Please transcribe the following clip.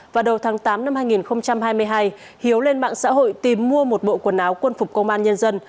vào đầu tháng tám năm hai nghìn hai mươi hai hiếu lên mạng xã hội tìm mua một bộ quần áo quân phục công an nhân dân